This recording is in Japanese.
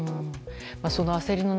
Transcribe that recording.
その焦りの中